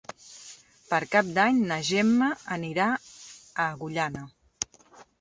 Per Cap d'Any na Gemma anirà a Agullana.